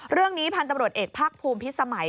เรื่องนี้พันธุ์ตำรวจเอกภาคภูมิพิสมัย